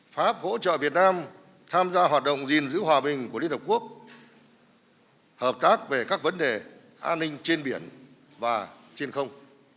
pháp hỗ trợ việt nam tham gia hoạt động gìn giữ hòa bình của liên hợp quốc hợp tác về các vấn đề an ninh trên biển và trên không